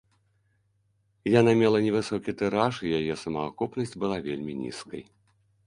Яна мела невысокі тыраж і яе самаакупнасць была вельмі нізкай.